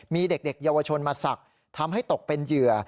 มีเด็กเยาวชนมาศักดิ์ทำให้ตกเป็นเหยื่อ